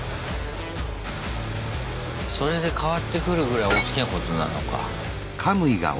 それで変わってくるぐらいおっきなことなのか。